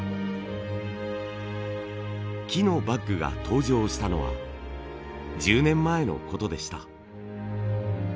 木のバッグが登場したのは１０年前の事でした。